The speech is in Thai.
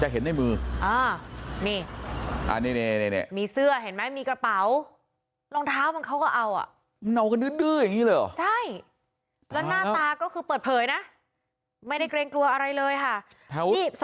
คือมันอาจจะบอกว่ากรุงเทพก็ได้นะครับ